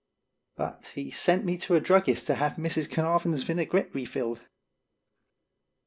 But he sent me to a druggist to have Mrs. Carnavon's vinaigrette refilled.